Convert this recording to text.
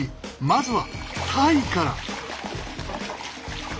まずはタイから。